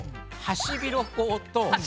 ハシビロコウ。